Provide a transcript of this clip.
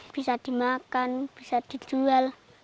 bisa dimakan bisa dijual